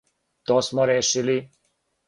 То смо решили.